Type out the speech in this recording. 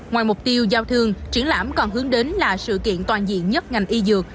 ngoài mục tiêu giao thương triển lãm còn hướng đến là sự kiện toàn diện nhất ngành y dược